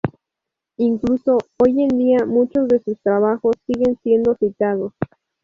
Incluso hoy en día muchos de sus trabajos siguen siendo citados.